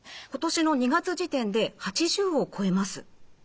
今年の２月時点で８０を超えます。